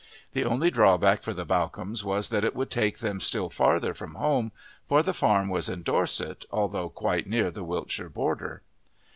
The only drawback for the Bawcombes was that it would take them still farther from home, for the farm was in Dorset, although quite near the Wiltshire border.